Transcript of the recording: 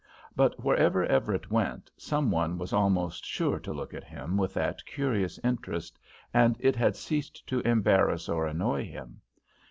But wherever Everett went, some one was almost sure to look at him with that curious interest, and it had ceased to embarrass or annoy him.